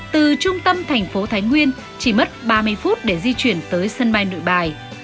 từ trung tâm thành phố thái nguyên chỉ mất ba mươi phút để di chuyển tới sân bay nội bài